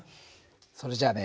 それじゃあね